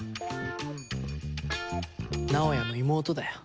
直哉の妹だよ。